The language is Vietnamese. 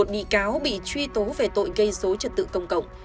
một mươi một bị cáo bị truy tố về tội gây dối trật tự công cộng